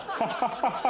ハハハハ。